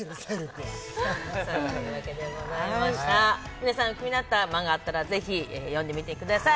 皆さん、気になったマンガがあったらぜひ読んでみてください。